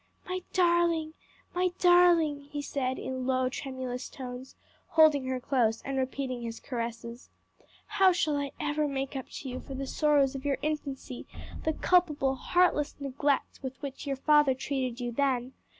"My darling, my darling!" he said in low, tremulous tones, holding her close, and repeating his caresses, "how shall I ever make up to you for the sorrows of your infancy? the culpable, heartless neglect with which your father treated you then?